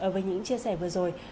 với những chia sẻ vừa rồi